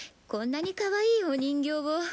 こんなにかわいいお人形を。